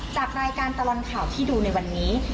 จากรายการตลอดข่าวที่ดูในวันนี้